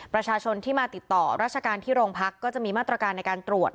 ประชาชนที่มาติดต่อราชการที่โรงพักก็จะมีมาตรการในการตรวจ